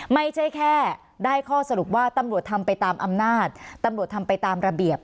ไม่ใช่แค่ได้ข้อสรุปว่าตำรวจทำไปตามอำนาจตำรวจทำไปตามระเบียบ